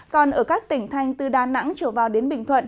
còn ở các tỉnh thành từ đà nẵng trở vào đến bình thuận